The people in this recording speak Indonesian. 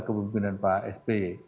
kepemimpinan pak sby